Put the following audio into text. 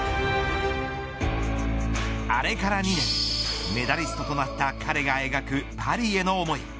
あれから２年メダリストとなった彼が描くパリへの思い。